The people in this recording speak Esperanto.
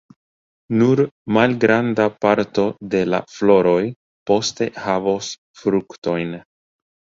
Nur malgranda parto de la floroj poste havos fruktojn.